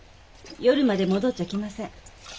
夜まで戻っちゃきません。